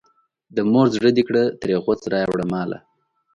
د مور زړه دې کړه ترې غوڅ رایې وړه ماله.